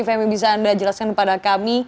femi bisa anda jelaskan kepada kami